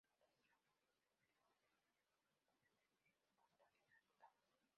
Los trabajos de filogenia molecular de D’Horta "et al".